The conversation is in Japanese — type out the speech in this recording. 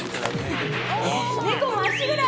ネコまっしぐら！